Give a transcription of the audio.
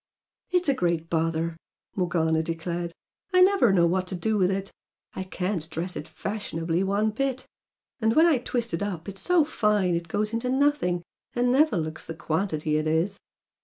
"It's a great bother," Morgana declared "I never know what to do with it. I can't dress it 'fashionably' one bit, and when I twist it up it's so fine it goes into nothing and never looks the quantity it is.